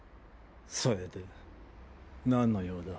それで何の用だ？